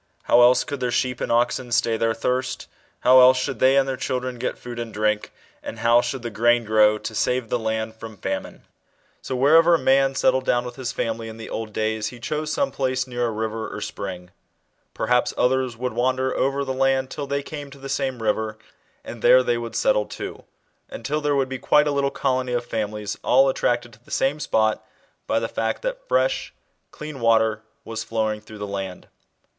How else could their sheep and oxen stay their thirst? how else should they and their children get food and drink ? and how should the grain grow to save the land from famine ? So wherever a man settled down with his famijy A 2 ABOUT THE CHALDEANS. in the old days, hd "dhose so r me place near a^Viver or spring. Perhaps others would wander ovef the knd till 'they came to the same river, and there they would settle too, until there would be quite a little colony of families all attracted to the same spot by the fact that fresh, clean water, was flow ing througlj the land.